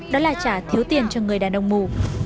đó là trả thiếu tiền cho người đàn ông mù